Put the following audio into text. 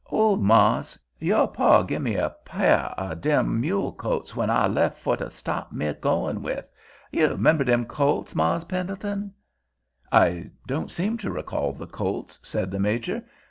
Old mars', your pa, gimme a pah of dem mule colts when I lef' fur to staht me goin' with. You 'member dem colts, Mars' Pendleton?" "I don't seem to recall the colts," said the Major.